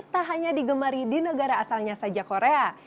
tak hanya digemari di negara asalnya saja korea